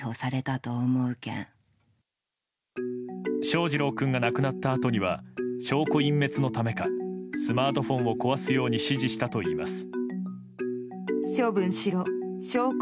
翔士郎君が亡くなったあとには証拠隠滅のためかスマートフォンを壊すように指示したといいます。